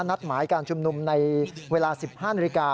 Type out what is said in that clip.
นัดหมายการชุมนุมในเวลา๑๕นาฬิกา